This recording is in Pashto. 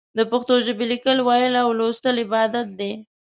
د پښتو ژبې ليکل، ويل او ولوستل عبادت دی.